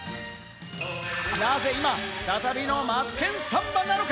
なぜ今、再びの『マツケンサンバ』なのか？